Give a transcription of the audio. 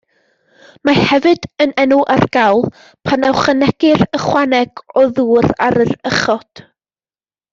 Mae hefyd yn enw ar gawl, pan ychwanegir ychwaneg o ddŵr ar yr uchod.